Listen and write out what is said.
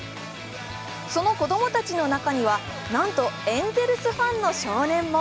その子供たちの中にはなんとエンゼルスファンの少年も。